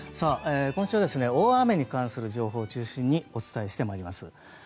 今週は大雨に関する情報を中心にお伝えしてまいります。